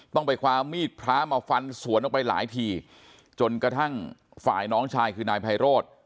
ต้องไปคว้ามีดพระมาฟันสวนออกไปหลายทีจนกระทั่งฝ่ายน้องชายคือนายไพโรธ